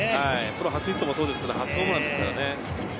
プロ初ヒットもそうですけど、初ホームランですからね。